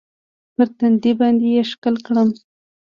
پر تندي باندې يې ښکل کړم.